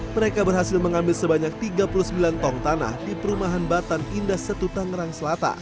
mereka berhasil mengambil sebanyak tiga puluh sembilan tong tanah di perumahan batan indah setu tangerang selatan